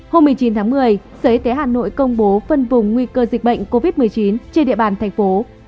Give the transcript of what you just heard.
hôm một mươi chín một mươi giới thế hà nội công bố phân vùng nguy cơ dịch bệnh covid một mươi chín trên địa bàn thành phố